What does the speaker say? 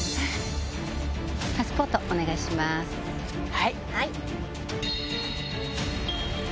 はい。